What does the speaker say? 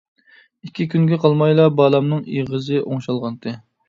ئىككى كۈنگە قالمايلا بالامنىڭ ئېغىزى ئوڭشالغانتى.